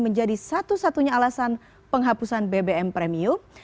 menjadi satu satunya alasan penghapusan bbm premium